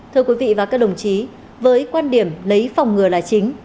thưa quý vị và các đồng chí với quan điểm lấy phòng ngừa là chính